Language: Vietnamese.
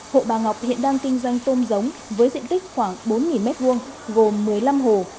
hộ bà ngọc hiện đang kinh doanh tôm giống với diện tích khoảng bốn m hai gồm một mươi năm hồ